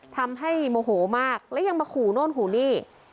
ทำให้โมโหมากและยังมาขู่โน่นขู่นี่